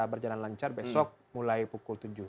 berjalan lancar besok mulai pukul tujuh